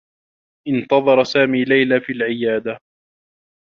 انتظر سامي ليلى في العيادة.